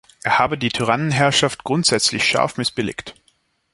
Er habe die Tyrannenherrschaft grundsätzlich scharf missbilligt.